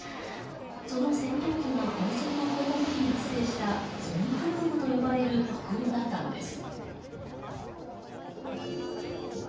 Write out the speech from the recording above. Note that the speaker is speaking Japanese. その戦闘機が音速を超えた時に発生したソニックブームと呼ばれる爆音だったのです。